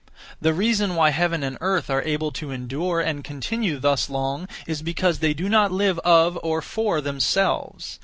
The reason why heaven and earth are able to endure and continue thus long is because they do not live of, or for, themselves.